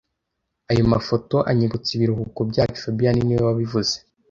Aya mafoto anyibutsa ibiruhuko byacu fabien niwe wabivuze